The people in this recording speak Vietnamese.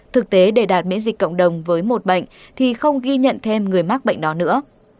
thực tế để đạt miễn dịch cộng đồng với một bệnh thì không ghi nhận thêm người mắc bệnh đó nữa